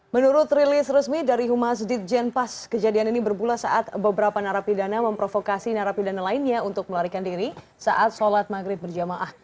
menurut rilis resmi dari humas ditjen pas kejadian ini bermula saat beberapa narapidana memprovokasi narapidana lainnya untuk melarikan diri saat sholat maghrib berjamaah